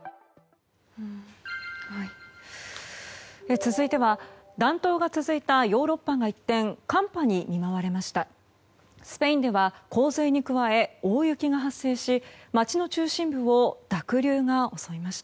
続いては暖冬が続いたヨーロッパが一転寒波に見舞われました。